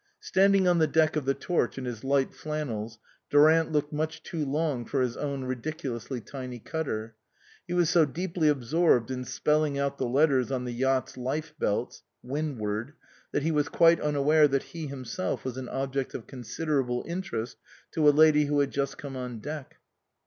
Standing on the deck of the Torch in his light flannels, Durant looked much too long for his own ridiculously tiny cutter. He was so deeply absorbed in spelling out the letters on the yacht's life belts Windivard that he was quite unaware that he himself was an object of considerable interest to a lady who had just come on deck.